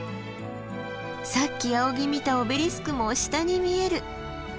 さっき仰ぎ見たオベリスクも下に見える。